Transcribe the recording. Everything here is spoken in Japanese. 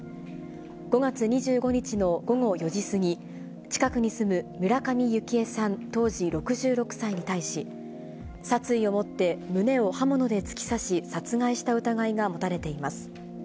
５月２５日の午後４時過ぎ、近くに住む村上幸枝さん当時６６歳に対し、殺意を持って胸を刃物で突き刺し、殺害した疑いが持たれています。